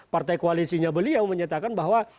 partai koalisinya beliau menyatakan bahwa